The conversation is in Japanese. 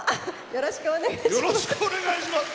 よろしくお願いします！